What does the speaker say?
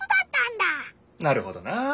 なるほどな！